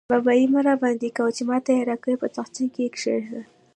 بابايي مه راباندې کوه؛ چې ما ته يې راکوې - په تاخچه کې يې کېږده.